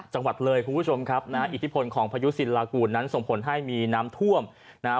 จังหวัดเลยคุณผู้ชมครับนะฮะอิทธิพลของพายุสินลากูลนั้นส่งผลให้มีน้ำท่วมนะฮะ